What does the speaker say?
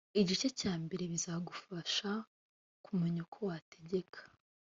igice cyambere bizagufasha kumenya uko wategeka